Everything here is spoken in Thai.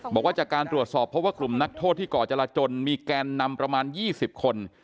บอกว่าจากการตรวจสอบเพราะว่ากลุ่มนักโทษที่ก่อจราจนมีแกนนำประมาณ๒๐คน